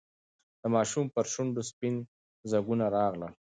د ماشوم پر شونډو سپین ځگونه راغلل.